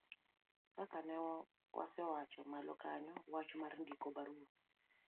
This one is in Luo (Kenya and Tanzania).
kaka nasewacho malo kanyo wach mar ndiko barua